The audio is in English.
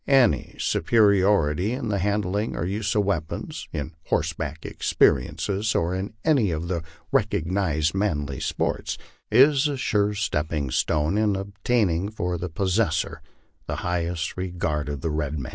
Any superiority in the handling or use of weapons, in horseback ex ercises, or in any of the recognized manly sports, is a sure stepping stone in obtaining for the possessor the highest regard of the red man.